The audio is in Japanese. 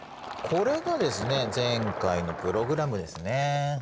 これがですね前回のプログラムですね。